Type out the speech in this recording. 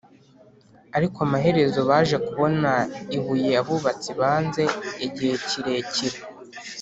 ariko amaherezo baje kubona ibuye abubatsi banze igihe kirekire